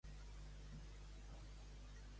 On anava quan ja vesprejava?